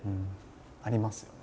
ありますよね。